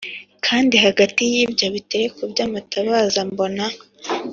kandi hagati y ibyo bitereko by amatabaza mbona